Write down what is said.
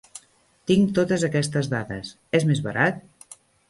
Tinc totes aquestes dades, és més barat?